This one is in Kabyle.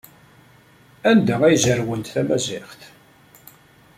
Anda ay zerwent tamaziɣt?